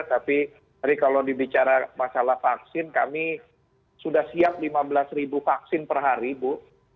tapi kalau dibicara masalah vaksin kami sudah siap lima belas ribu vaksin per hari bu